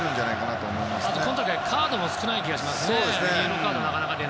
あとは今大会カードが少ない気がしますね。